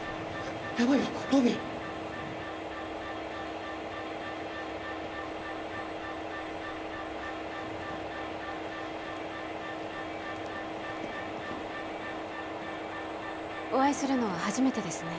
やばいよロビーお会いするのは初めてですね